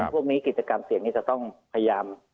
พวกนี้กิจกรรมเสี่ยงนี้จะต้องพยายาม